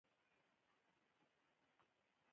نن شپې ته غوړه باندې ده .